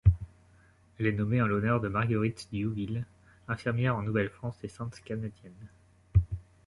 Elle est nommée en l'honneur de Marguerite d'Youville, infirmière en Nouvelle-France et sainte canadienne.